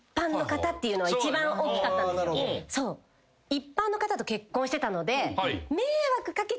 一般の方と結婚してたので。